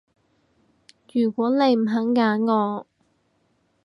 如果你唔肯揀我